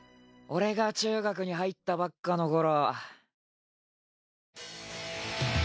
俺が中学に入ったばっかの頃。